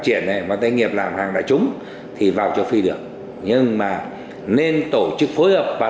triển nghiệp làm hàng đại chúng thì vào châu phi được nhưng mà nên tổ chức phối hợp và